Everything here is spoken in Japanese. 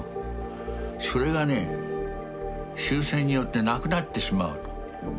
それがね終戦によってなくなってしまうと。